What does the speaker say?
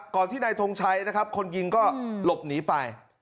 ก่อนที่ในธงชัยนะครับคนยิงก็หลบหนีไป